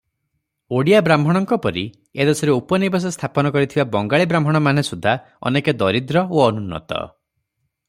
ଓଡ଼ିୟାବ୍ରାହ୍ମଣଙ୍କ ପରି ଏ ଦେଶରେ ଉପନିବେଶ ସ୍ଥାପନ କରିଥିବା ବଙ୍ଗାଳୀବ୍ରାହ୍ମଣମାନେ ସୁଦ୍ଧା ଅନେକେ ଦରିଦ୍ର ଓ ଅନୁନ୍ନତ ।